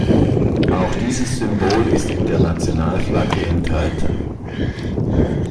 Auch dieses Symbol ist in der Nationalflagge enthalten.